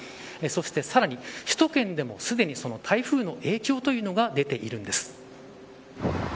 そしてさらに、首都圏でもすでに台風の影響というのが出ているんです。